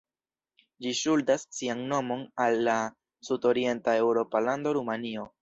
Ĝi ŝuldas sian nomon al la sud-orienta eŭropa lando Rumanio.